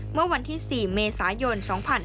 เมื่อวันที่๔เมษายน๒๕๕๙